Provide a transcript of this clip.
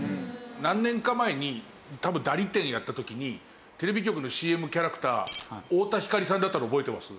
何年か前に多分ダリ展やった時にテレビ局のＣＭキャラクター太田光さんだったの覚えてます？